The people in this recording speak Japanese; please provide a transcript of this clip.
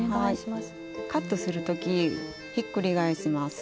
カットする時ひっくり返します。